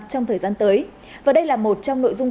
trong thời gian tới và đây là một trong nội dung